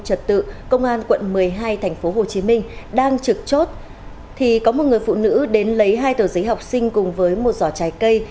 trật tự công an quận một mươi hai tp hcm đang trực chốt thì có một người phụ nữ đến lấy hai tờ giấy học sinh cùng với một giỏ trái cây